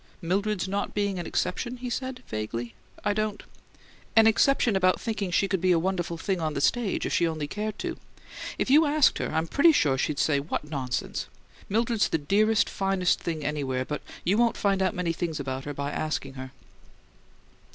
"'Mildred's not being an exception?'" he said, vaguely. "I don't " "An exception about thinking she could be a wonderful thing on the stage if she only cared to. If you asked her I'm pretty sure she'd say, 'What nonsense!' Mildred's the dearest, finest thing anywhere, but you won't find out many things about her by asking her."